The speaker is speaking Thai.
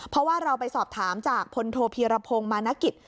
เพราะว่าเราไปสอบถามจากพลโทพีรพงศ์มานกิจ